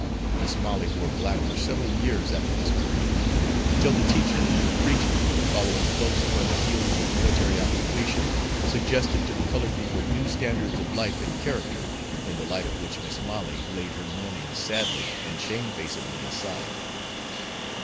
Mis' Molly wore black for several years after this bereavement, until the teacher and the preacher, following close upon the heels of military occupation, suggested to the colored people new standards of life and character, in the light of which Mis' Molly laid her mourning sadly and shamefacedly aside.